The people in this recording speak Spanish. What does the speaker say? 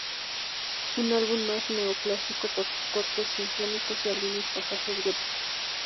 Un álbum más neo-clásico, por sus cortes sinfónicos y algunos pasajes góticos.